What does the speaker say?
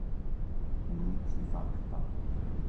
Luigi Facta.